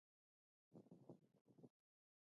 د تخار وریجې په شمال کې مشهورې دي.